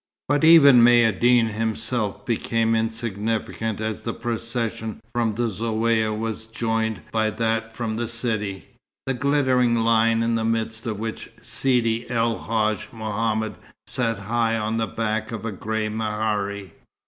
But even Maïeddine himself became insignificant as the procession from the Zaouïa was joined by that from the city, the glittering line in the midst of which Sidi El Hadj Mohammed sat high on the back of a grey mehari.